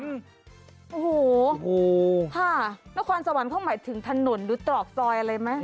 น้องคอนศะวันหมายถึงถนนรูตรอกซอยอะไรไหม